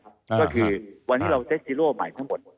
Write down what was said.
ก็คือวันนี้เราเซ็กซีโร่ใหม่ทั้งหมด